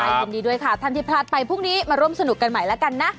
ยินดีด้วยค่ะท่านที่พลาดไปพรุ่งนี้มาร่วมสนุกกันใหม่แล้วกันนะ